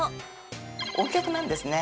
Ｏ脚なんですね。